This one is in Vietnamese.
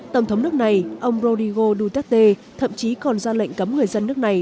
tổng thống nước này ông rodrigo duterte thậm chí còn ra lệnh cấm người dân nước này